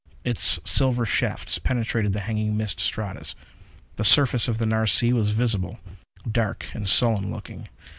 Its silver shafts penetrated the hanging mist stratas. The surface of the Nares Sea was visible dark and sullen looking.